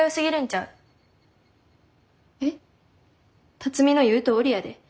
辰美の言うとおりやで。